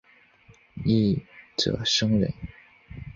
一者生忍。